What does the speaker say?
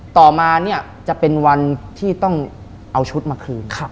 ต่อมาเนี่ยจะเป็นวันที่ต้องเอาชุดมาคืน